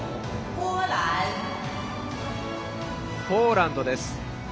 ポーランドです。